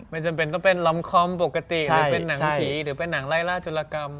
จำเป็นต้องเป็นลำคอมปกติหรือเป็นหนังผีหรือเป็นหนังไล่ล่าจุลกรรม